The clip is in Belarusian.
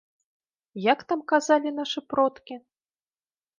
Як там казалі нашы продкі?